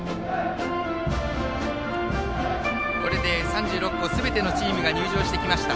これで３６校すべてのチームが入場しました。